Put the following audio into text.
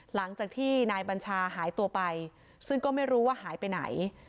หลังจากที่นายบัญชาหายตัวไปซึ่งก็ไม่รู้ว่าหายไปไหน